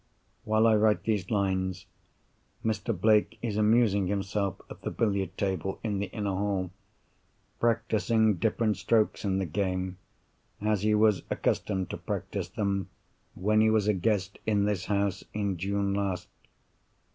While I write these lines, Mr. Blake is amusing himself at the billiard table in the inner hall, practising different strokes in the game, as he was accustomed to practise them when he was a guest in this house in June last.